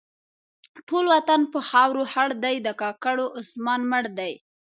ټول وطن په خاورو خړ دی؛ د کاکړو عثمان مړ دی.